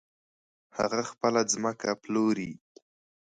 هغه خپله ځمکه پلوري .